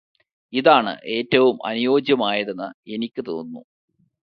ഇതാണ് ഏറ്റവും അനുയോജ്യമായതെന്ന് എനിക്ക് തോന്നുന്നു